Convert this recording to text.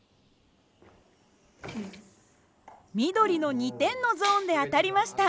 緑の２点のゾーンで当たりました。